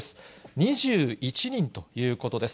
２１人ということです。